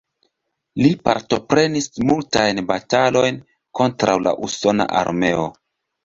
Li partoprenis multajn batalojn kontraŭ la usona armeo.